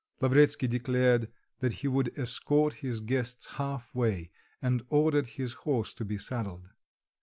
Lavretsky declared that he would escort his guests half way, and ordered his horse to be saddled.